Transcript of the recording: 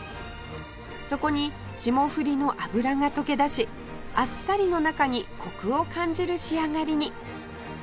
そこに霜降りの脂が溶け出しあっさりの中にコクを感じる仕上がりに